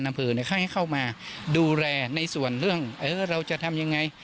อำเภอเขาให้เข้ามาดูแลในส่วนเรื่องเราจะทำยังไง